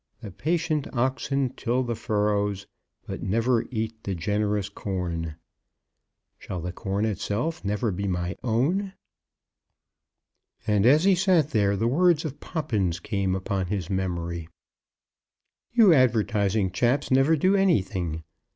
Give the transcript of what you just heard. The patient oxen till the furrows, But never eat the generous corn. Shall the corn itself never be my own?" And as he sat there the words of Poppins came upon his memory. "You advertising chaps never do anything.